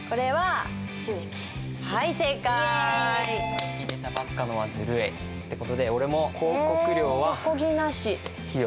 さっき出たばっかのはずるいって事で俺も広告料は費用。